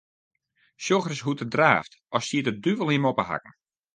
Sjoch ris hoe't er draaft, as siet de duvel him op 'e hakken.